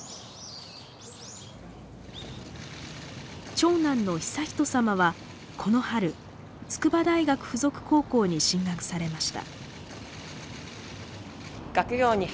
長男の悠仁さまはこの春筑波大学附属高校に進学されました。